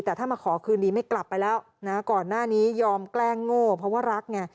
แต่ถ้ามาขอคืนดีไม่กลับไปแล้วนะก่อนหน้านี้ยอมแกล้งโง่เพราะว่ารักไง